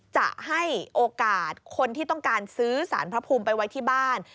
จะให้โอกาสคนที่ต้องการซื้อสารพระภูมิไปไว้ที่บ้าน